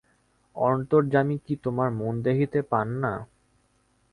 অন্তর্যামী কি তােমার মন দেখিতে পান না?